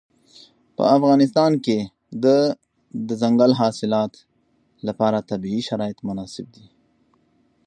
په افغانستان کې د دځنګل حاصلات لپاره طبیعي شرایط مناسب دي.